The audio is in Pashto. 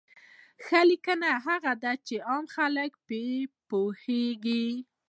ښه لیکوال هغه دی چې عام خلک وپوهوي.